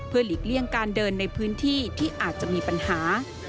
หลีกเลี่ยงการเดินในพื้นที่ที่อาจจะมีปัญหา